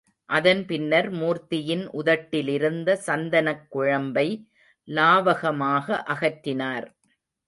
அதன் பின்னர் மூர்த்தியின் உதட்டிலிருந்த சந்தனக் குழம்பை லாவகமாக அகற்றினார்.